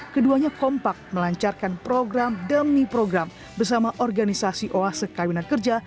keduanya kompak melancarkan program demi program bersama organisasi oase kawinan kerja